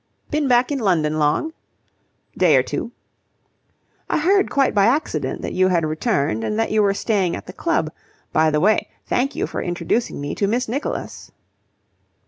"Been back in London long?" "Day or two." "I heard quite by accident that you had returned and that you were staying at the club. By the way, thank you for introducing me to Miss Nicholas."